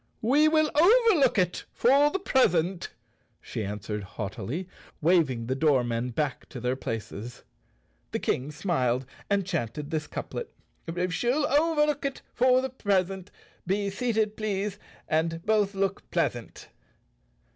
"We will overlook it for the present," she answered haughtily, waving the doormen back to their places. The King smiled and chanted this couplet: " She'll overlook it for the present; Be seated, please, and both look pleasant!